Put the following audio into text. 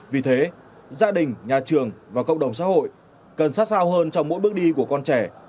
vì thế gia đình nhà trường và cộng đồng xã hội cần sát sao hơn trong mỗi bước đi của con trẻ